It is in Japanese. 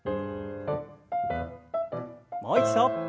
もう一度。